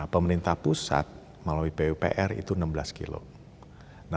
pemerintah pusat melalui pupr itu enam belas kilo